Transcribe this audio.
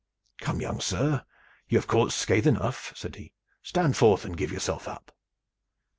"Come, young sir, you have caused scathe enough," said he. "Stand forth and give yourself up!"